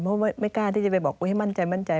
เพราะไม่กล้าที่จะไปบอกให้มั่นใจมั่นใจ